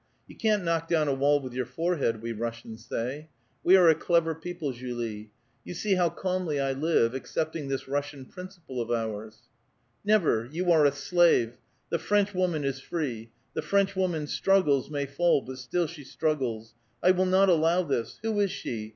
' You can't knock down a wall with your forehead,' we Russians say. We are a clever people, Julie. You see how calmly I live, accepting this Russian •principle of ours." " Never! You are a slave! The French woman is free. The French woman struggles, may fall, but still she struggles. I will not allow this. Who is she?